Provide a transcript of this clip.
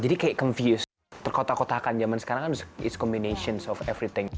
jadi kayak confused terkotak kotakan zaman sekarang it's combinations of everything